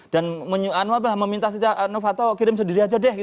dan meminta novato kirim sendiri aja deh